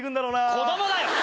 子供だよ！